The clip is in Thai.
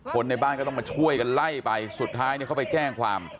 ในบ้านก็ต้องมาช่วยกันไล่ไปสุดท้ายเขาไปแจ้งความ